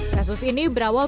kasus ini berubah